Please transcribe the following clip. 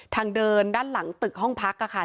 ทางเดินด้านหลังตึกห้องพักค่ะ